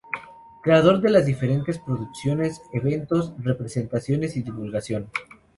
Creador de las diferentes producciones, eventos, representaciones y divulgación.